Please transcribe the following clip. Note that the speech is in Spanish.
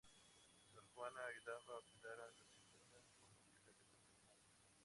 Sor Juana ayudaba a cuidar a las enfermas, por lo que cayó contaminada.